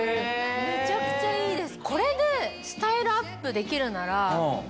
めちゃくちゃいいです。